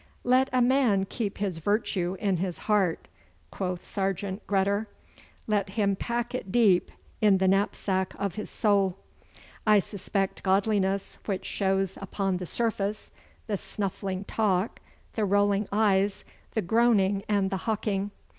'Let a man keep his virtue in his heart,' quoth Sergeant Gredder. 'Let him pack it deep in the knapsack of his soul. I suspect godliness which shows upon the surface, the snuffling talk, the rolling eyes, the groaning and the hawking.